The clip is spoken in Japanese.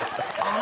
あ